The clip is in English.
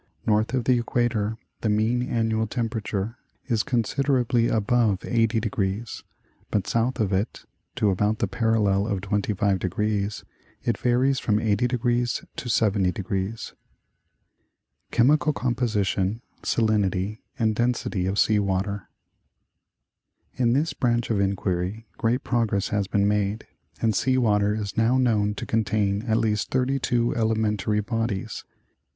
North of the equator the mean annual temperature is considerably above 80°, but south of it, to about the parallel of 25°, it varies from 80° to 70°. Chemical Composition, Salinity and Density of Sea Water. In this branch of inquiry great progress has been made, and sea water is now known to contain at least 32 elementary bodies.